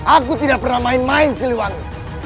aku tidak pernah main main siliwangi